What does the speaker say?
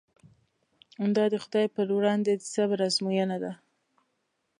دا د خدای پر وړاندې د صبر ازموینه ده.